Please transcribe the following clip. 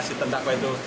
si tanda kue itu menang